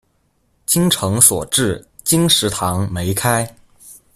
精誠所至、金石堂沒開